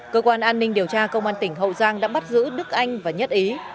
cơ quan an ninh điều tra công an tỉnh hậu giang đã bắt giữ đức anh và nhất ý